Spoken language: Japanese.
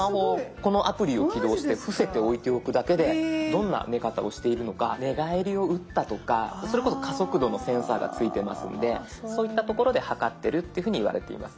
このアプリを起動して伏せて置いておくだけでどんな寝方をしているのか寝返りを打ったとかそれこそ加速度のセンサーがついてますのでそういった所で測ってるっていうふうにいわれています。